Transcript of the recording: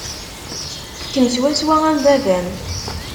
Kemm swaswa am baba-m.